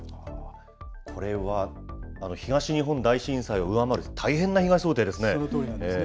これは東日本大震災を上回る大変な被害想定ですね。